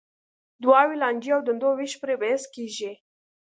دعاوې، لانجې او دندو وېش پرې بحث کېږي.